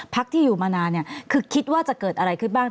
พักที่อยู่มานานเนี่ยคือคิดว่าจะเกิดอะไรขึ้นบ้าง